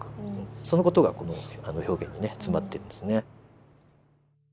その事がこの表現にね詰まってるんですね。